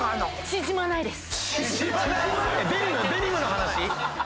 縮まないです。